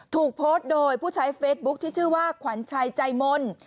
ถูกโพสต์โดยผู้ใช้เฟซบุ๊คที่ชื่อว่าขวัญชัยใจมนต์